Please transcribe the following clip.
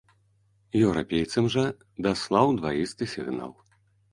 Еўрапейцам жа даслаў дваісты сігнал.